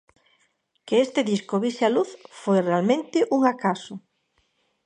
Que este disco vise a luz, foi realmente un acaso.